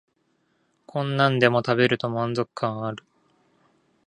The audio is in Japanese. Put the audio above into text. こんなんでも食べると満足感ある